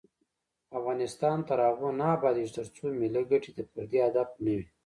افغانستان تر هغو نه ابادیږي، ترڅو ملي ګټې د فردي هدف نه وي.